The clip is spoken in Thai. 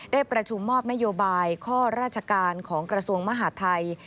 ได้ประชุมมอบนโยบายข้อราชการของกระทรวงมหาดไทย